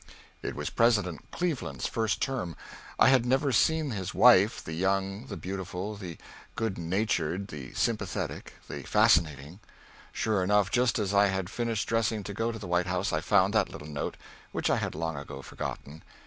It was President Cleveland's first term. I had never seen his wife the young, the beautiful, the good hearted, the sympathetic, the fascinating. Sure enough, just as I had finished dressing to go to the White House I found that little note, which I had long ago forgotten.